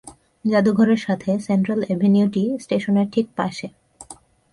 জাদুঘরের সাথে central avenue টি স্টেশনের ঠিক পাশে।